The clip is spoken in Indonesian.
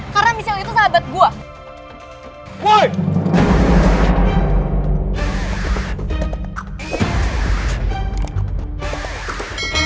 karena michelle itu sahabat gue